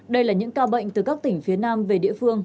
đây là những ca bệnh từ các tỉnh phía nam về địa phương